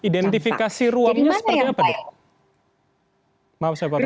nah identifikasi ruamnya seperti apa